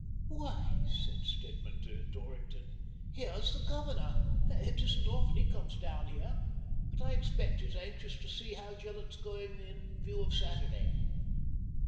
"Why," said Stedman to Dorrington, "here's the Governor ! It isn't often he comes down here. But I expect he's anxious to see how Gillett's going, in view of Saturday."